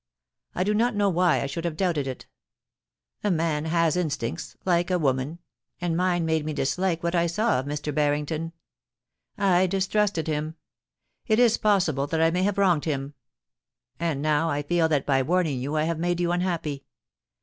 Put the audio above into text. I do not know why I should have doubted it A man has instincts — like a woman; and mine made me dislike what I saw of Mr. Barrington. I distrusted him. It is possible that I may have wronged him. ... And now I feel that by warning you I have made you unhappy.